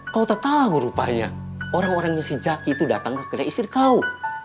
kau tak tahu rupanya orang orangnya si jaki itu datang ke kedai istri kau